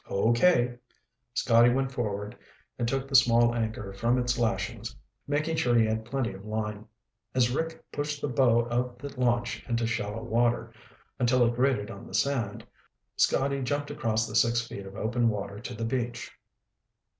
"Okay." Scotty went forward and took the small anchor from its lashings, making sure he had plenty of line. As Rick pushed the bow of the launch into shallow water until it grated on the sand, Scotty jumped across the six feet of open water to the beach.